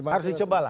harus dicoba lah